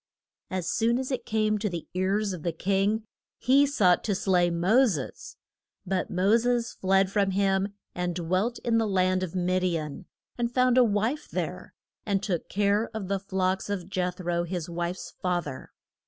As soon as it came to the ears of the king, he sought to slay Mo ses. But Mo ses fled from him, and dwelt in the land of Mid i an, and found a wife there, and took care of the flocks of Jeth ro, his wife's fath er.